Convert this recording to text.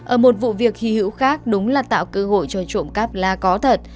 ở một vụ việc hy hữu khác đúng là tạo cơ hội cho trộm cắp là có thật